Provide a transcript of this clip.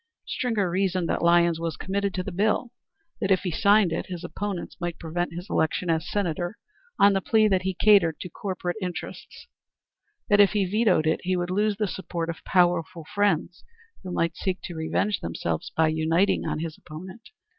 Stringer reasoned that Lyons was committed to the bill; that, if he signed it, his opponents might prevent his election as Senator on the plea that he had catered to corporate interests; that if he vetoed it, he would lose the support of powerful friends who might seek to revenge themselves by uniting on his opponent.